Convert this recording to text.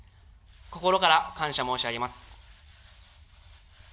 心から感謝申し上げます。